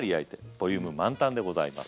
ボリューム満タンでございます。